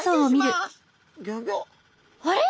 あれ？